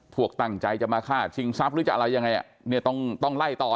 พวกตั้งใจจะมาฆ่าชิงทรัพย์หรือจะอะไรยังไงอ่ะเนี่ยต้องต้องไล่ต่อ